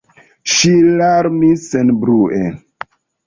Ŝi larmis senbrue.